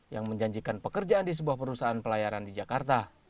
yang menjanjikan pekerjaan di sebuah perusahaan pelayaran di jakarta